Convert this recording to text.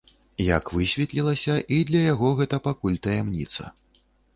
Як высветлілася, і для яго гэта пакуль таямніца.